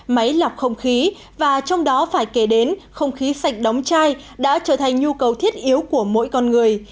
máy lọc không khí và trong đó phải kể đến không khí sạch đóng chai đã trở thành nhu cầu thiết yếu của mỗi con người